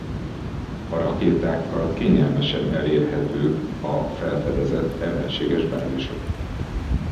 A rakétákkal kényelmesen elérhetők a felfedezett ellenséges bázisok.